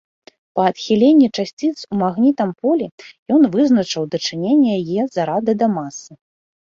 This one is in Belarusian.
Па адхіленні часціц у магнітам поле ён вызначыў дачыненне яе зарада да масы.